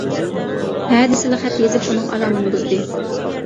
ھە دېسىلا خەت يېزىپ ئۇنىڭ ئارامىنى بۇزدى.